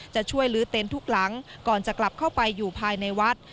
จะช่วยลื้อเต็นต์ทุกหลังก่อนจะกลับเข้าไปอยู่ภายในวัด